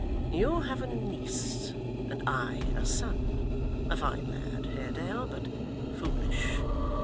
You have a niece, and I a son a fine lad, Haredale, but foolish.